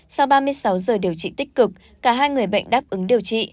sau ba mươi sáu giờ điều trị tích cực cả hai người bệnh đáp ứng điều trị